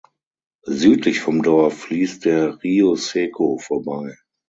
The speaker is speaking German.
Südlich vom Dorf fließt der Rio Seco vorbei.